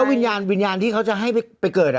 ไม่แล้ววิญญาณที่เขาจะให้ไปเกิดอะ